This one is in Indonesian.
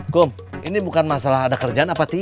kum ini bukan masalah ada kerjaan apa tidak